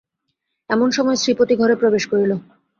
এমন সময় শ্রীপতি ঘরে প্রবেশ করিল।